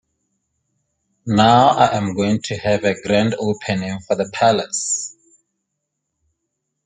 'Now I am going to have a grand opening for the palace.